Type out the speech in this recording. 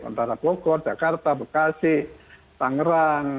antara bogor jakarta bekasi tangerang